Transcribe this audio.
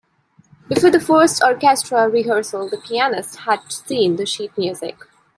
Before the first orchestra rehearsal, the pianist had seen the sheet music.